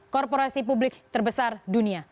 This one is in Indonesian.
korporasi publik terbesar dunia